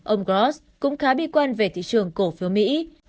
ông gross cũng khá bi quan về thị trường cổ phiếu mỹ